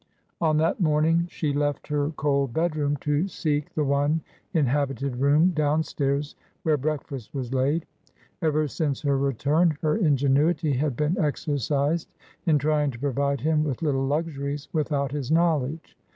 On that morning she left her cold bedroom to seek TRANSITION. 313 the one inhabited room downstairs where breakfast was laid. Ever since her return her ingenuity had been exercised in trying to provide him with little luxuries without his knowledge.